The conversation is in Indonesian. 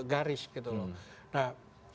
garis gitu loh nah